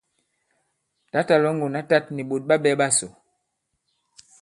Tǎtà Lɔ̌ŋgòn ǎ tāt nì ɓòt ɓa ɓɛ̄ ɓasò.